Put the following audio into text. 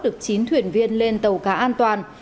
được chín thuyền viên lên tàu cá an toàn